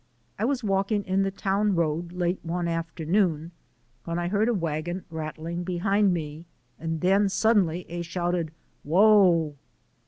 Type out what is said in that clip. I was walking in the town road late one afternoon when I heard a wagon rattling behind me, and then, quite suddenly, a shouted, "Whoa."